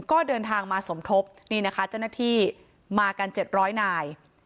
ก็เดินทางมาสมทบนี่นะคะเจ้าหน้าที่มากัน๗๐๐นาย